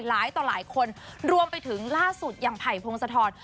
หลายต่อหลายคนรวมไปถึงล่าสุดอย่างไผ่พรงสะทอน